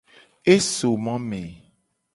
E so mo me.